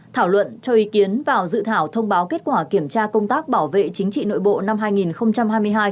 thảo luận cho ý kiến vào dự thảo thông báo kết quả kiểm tra công tác bảo vệ chính trị nội bộ năm hai nghìn hai mươi hai